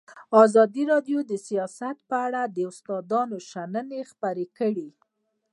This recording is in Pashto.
ازادي راډیو د سیاست په اړه د استادانو شننې خپرې کړي.